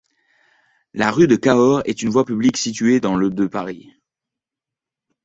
La rue de Cahors est une voie publique située dans le de Paris.